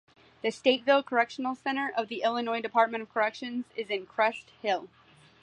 The Stateville Correctional Center of the Illinois Department of Corrections is in Crest Hill.